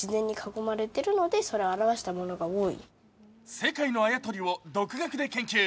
世界のあやとりを独学で研究。